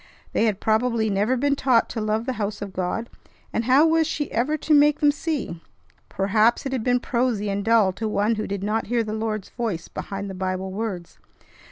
They had probably never been taught to love the house of God, and how was she ever to make them see? Perhaps it had been prosy and dull to one who did not hear the Lord's voice behind the Bible words.